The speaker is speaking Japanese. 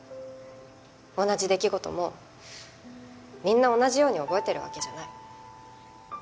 同じ出来事もみんな同じように覚えてるわけじゃない。